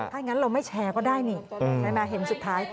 ถ้าอย่างนั้นเราไม่แชร์ก็ได้นี่ใช่ไหมเห็นสุดท้าย